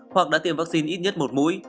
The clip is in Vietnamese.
hoặc đã tiêm vaccine ít nhất một mũi